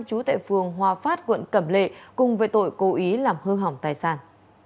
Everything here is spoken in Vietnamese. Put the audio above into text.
chú tại phường hòa phát quận cẩm lệ cùng về tội cố ý làm hư hỏng tài sản